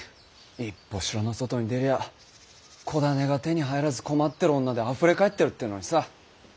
一歩城の外に出りゃ子種が手に入らず困ってる女であふれかえってるってのにさ。